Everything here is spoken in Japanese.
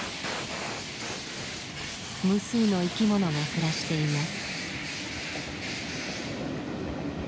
無数の生き物が暮らしています。